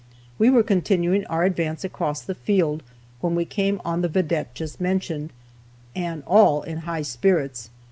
We were continuing our advance across the field where we came on the vedette just mentioned, and all in high spirits.